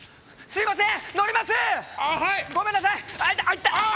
すいません